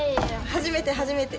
初めて初めて。